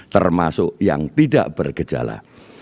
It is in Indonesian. termasuk yang tidak bergejala